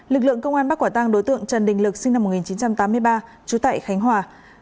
lực lượng công an bắt quả tăng đối tượng trần đình lực sinh năm một nghìn chín trăm tám mươi ba trú tại khánh hòa